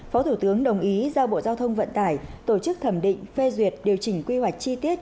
phó thủ tướng đồng ý giao bộ giao thông vận tải tổ chức thẩm định phê duyệt điều chỉnh quy hoạch chi tiết